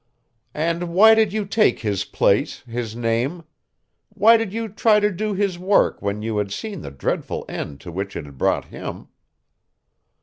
"And why did you take his place, his name? Why did you try to do his work when you had seen the dreadful end to which it had brought him?"